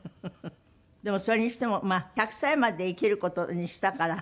でもそれにしてもまあ１００歳まで生きる事にしたから。